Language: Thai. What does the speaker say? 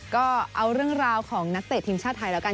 ก็เอาเรื่องราวของนักเตะทีมชาติไทยแล้วกัน